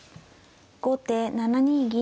後手７二銀。